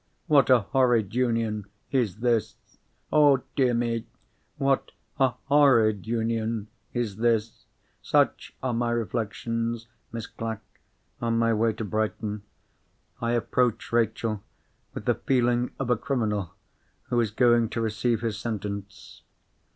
What a horrid union is this! Oh, dear me, what a horrid union is this! Such are my reflections, Miss Clack, on my way to Brighton. I approach Rachel with the feeling of a criminal who is going to receive his sentence.